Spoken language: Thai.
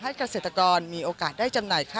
ให้เกษตรกรมีโอกาสได้จำหน่าย